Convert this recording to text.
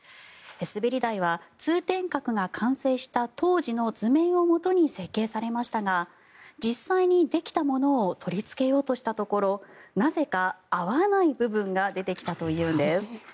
滑り台は通天閣が完成した当時の図面をもとに設計されましたが実際にできたものを取りつけようとしたところなぜか合わない部分が出てきたというんです。